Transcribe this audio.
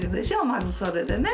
まずそれでね。